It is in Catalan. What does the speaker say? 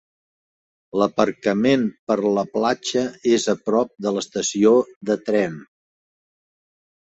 L'aparcament per la platja és a prop de l'estació de tren.